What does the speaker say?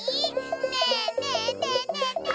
ねえねえねえねえねえ！